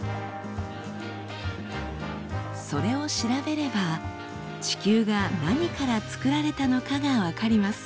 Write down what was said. それを調べれば地球が何から作られたのかが分かります。